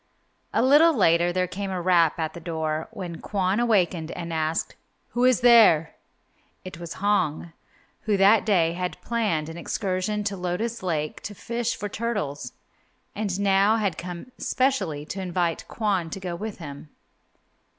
A little later there came a rap at the door, when Kwon awakened and asked, "Who is there?" It was Hong, who that day had planned an excursion to Lotus Lake to fish for turtles, and now had come specially to invite Kwon to go with him.